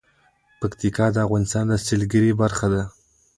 پکتیکا د افغانستان د سیلګرۍ برخه ده.